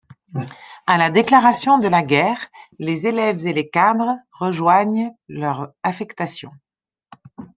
A la déclaration de la guerre, les élèves et les cadres rejoignent leur affectation.